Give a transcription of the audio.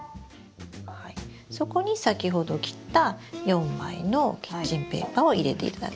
そこに先ほど切った４枚のキッチンペーパーを入れていただく。